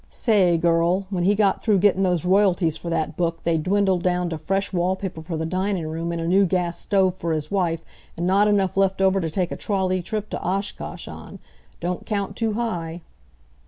Sa a ay, girl, w'en he got through gettin' those royalties for that book they'd dwindled down to fresh wall paper for the dinin' room, and a new gas stove for his wife, an' not enough left over to take a trolley trip to Oshkosh on. Don't count too high."